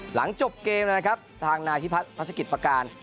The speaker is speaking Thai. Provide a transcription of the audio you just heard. หลังจบเกมนะครับทางนายพิพัฒนภัศกิจประการ